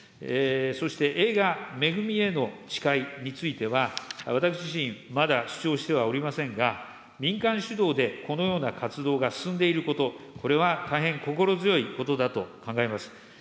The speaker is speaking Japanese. そして映画、めぐみへの誓いについては、私自身、まだ視聴してはおりませんが、民間主導でこのような活動が進んでいること、これは大変心強いことだと考えます。